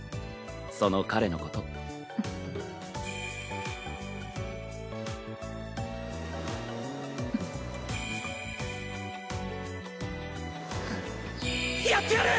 その彼のことやってやる！